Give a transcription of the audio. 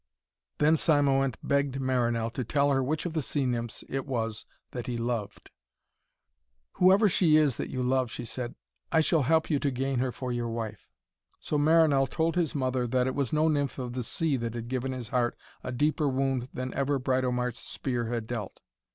Then Cymoënt begged Marinell to tell her which of the sea nymphs it was that he loved. 'Whoever she is that you love,' she said, 'I shall help you to gain her for your wife.' So Marinell told his mother that it was no nymph of the sea that had given his heart a deeper wound than ever Britomart's spear had dealt.